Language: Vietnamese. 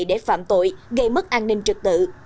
để phạm tội gây mất an ninh trực tự